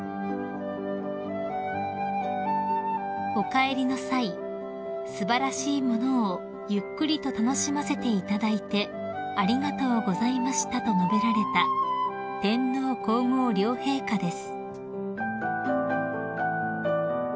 ［お帰りの際「素晴らしい物をゆっくりと楽しませていただいてありがとうございました」と述べられた天皇皇后両陛下です］